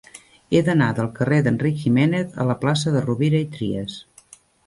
He d'anar del carrer d'Enric Giménez a la plaça de Rovira i Trias.